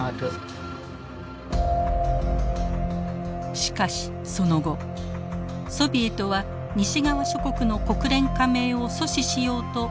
しかしその後ソビエトは西側諸国の国連加盟を阻止しようと拒否権を連発。